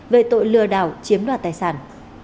về tội lừa đảo chiếm đoạt tài sản